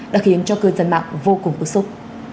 đã khiến cho cư dân mạng vô cùng bức xúc